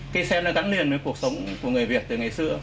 cây sen nó gắn liền với cuộc sống của người việt từ ngày xưa